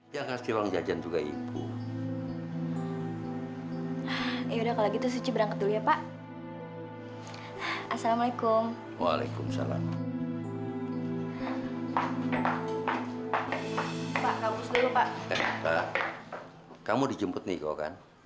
sampai jumpa di video selanjutnya